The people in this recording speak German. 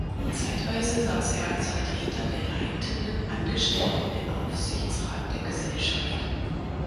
Zeitweise saß er als Vertreter der Leitenden Angestellten im Aufsichtsrat der Gesellschaft.